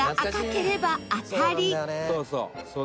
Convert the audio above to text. そうそう。